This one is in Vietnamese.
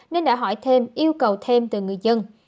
nên đã hỏi thêm yêu cầu thêm từ người dân